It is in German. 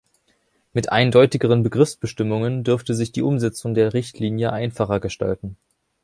Mit eindeutigeren Begriffsbestimmungen dürfte sich die Umsetzung der Richtlinie einfacher gestalten.